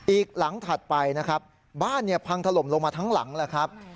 อีกหลังถัดไปนะครับบ้านเนี่ยพังถล่มลงมาทั้งหลังแล้วครับ